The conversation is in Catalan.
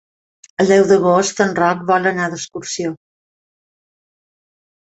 El deu d'agost en Roc vol anar d'excursió.